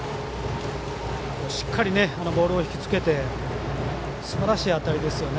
しっかりボールを引き付けてすばらしい当たりですよね。